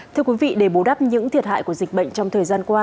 thưa quý vị để bù đắp những thiệt hại của dịch bệnh trong thời gian qua